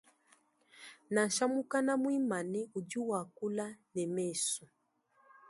Nansha mukana muimane udi wakula ne mesu.